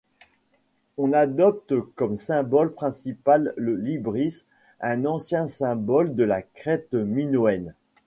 On adopte comme symbole principal le labrys, un ancien symbole de la Crète minoenne.